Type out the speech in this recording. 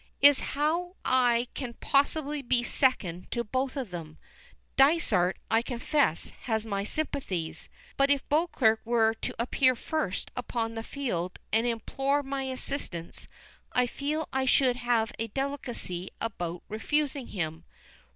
"Is how I can possibly be second to both of them. Dysart, I confess, has my sympathies, but if Beauclerk were to appear first upon the field and implore my assistance I feel I should have a delicacy about refusing him."